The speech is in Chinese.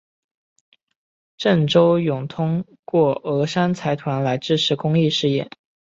郑周永通过峨山财团来支持公益事业。